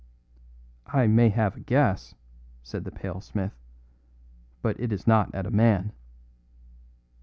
"I may have a guess," said the pale smith, "but it is not at a man."